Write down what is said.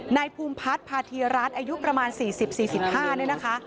ในภูมิพัฒน์พาทีรัฐอายุประมาณ๔๐๔๕นะคะ